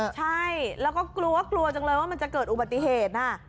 ใช่แล้วก็กลัวกลัวจังเลยว่ามันจะเกิดอุบัติเหตุนะ